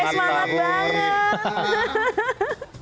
hai selamat pagi